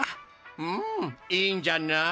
うんいいんじゃない？